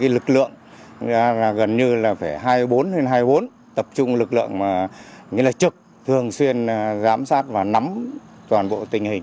lực lượng gần như hai mươi bốn hai mươi bốn tập trung lực lượng trực thường xuyên giám sát và nắm toàn bộ tình hình